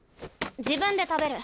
自分で食べる。